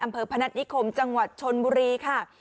อำเภอพนัฐิคมจังหวัดชนบุรีค่ะ